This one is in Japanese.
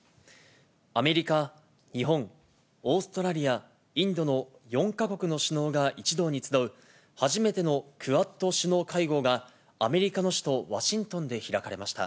アメリカ、日本、オーストラリア、インドの４か国の首脳が一堂に集う初めてのクアッド首脳会合がアメリカの首都ワシントンで開かれました。